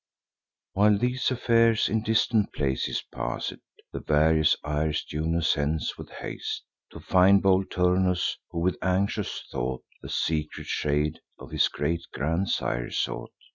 While these affairs in distant places pass'd, The various Iris Juno sends with haste, To find bold Turnus, who, with anxious thought, The secret shade of his great grandsire sought.